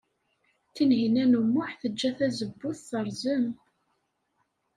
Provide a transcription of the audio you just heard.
Tinhinan u Muḥ tejja tazewwut terẓem.